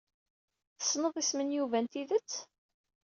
Tessneḍ isem n Yuba n tidet?